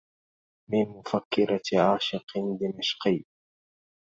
من مفكرة عاشق دمشقي